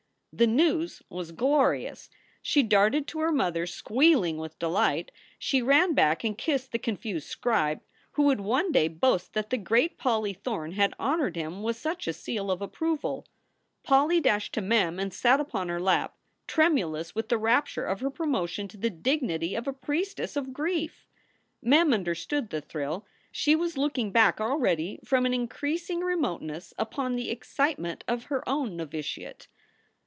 The news was glorious. She darted to her mother, squeal ing with delight. She ran back and kissed the confused scribe, who would one day boast that the great Polly Thorne had honored him with such a seal of approval. Polly dashed to Mem and sat upon her lap, tremulous with the rapture of her promotion to the dignity of a priestess of grief. Mem understood the thrill. She was looking back already from an increasing remoteness upon the excitement of her own novitiate.